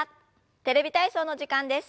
「テレビ体操」の時間です。